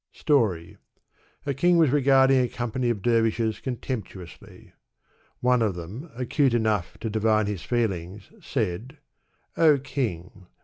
\ Storv. A king was regarding a company of dervishes con temptuously. One of them, acute enough to divine his feelings, said, O king